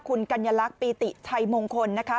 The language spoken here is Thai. คุณกัญลักษณ์ปีติชัยมงคลนะคะ